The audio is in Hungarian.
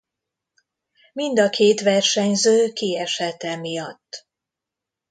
Mind a két versenyző kiesett emiatt.